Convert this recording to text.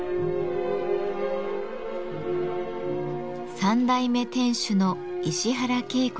３代目店主の石原圭子さん。